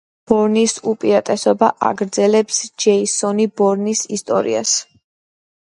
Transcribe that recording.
ბორნის უპირატესობა აგრძელებს ჯეისონ ბორნის ისტორიას.